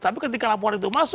tapi ketika laporan itu masuk